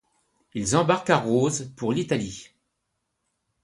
Ils embarquent à Roses pour l'Italie.